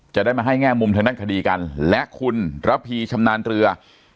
จะได้มาให้แง่มุมทางด้านคดีกันและคุณระพีชำนาญเรือ